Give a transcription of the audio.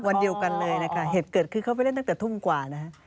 วันเดียวกันเลยนะคะเหตุเกิดคือเขาไปเล่นตั้งแต่ทุ่มกว่านะฮะ